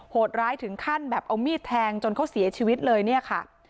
โหดร้ายถึงขั้นแบบเอามีดแทงจนเขาเสียชีวิตเลยเนี่ยค่ะ